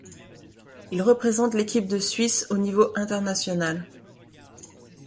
Il représente l'équipe de Suisse au niveau international.